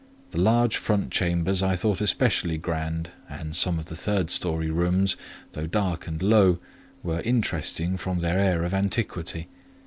The large front chambers I thought especially grand: and some of the third storey rooms, though dark and low, were interesting from their air of antiquity.